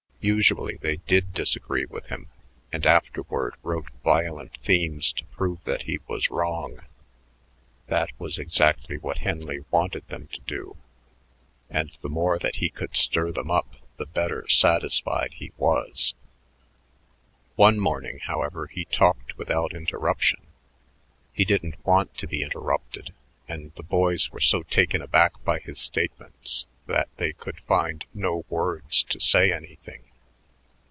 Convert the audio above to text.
Usually they did disagree with him and afterward wrote violent themes to prove that he was wrong. That was exactly what Henley wanted them to do, and the more he could stir them up the better satisfied he was. One morning, however, he talked without interruption. He didn't want to be interrupted, and the boys were so taken back by his statements that they could find no words to say anything.